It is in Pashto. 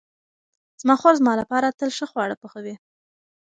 زما خور زما لپاره تل ښه خواړه پخوي.